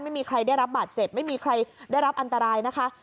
ไม่มีใครได้รับบาดเจ็บไม่มีใครได้รับอันตรายนะคะ